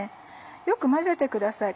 よく混ぜてください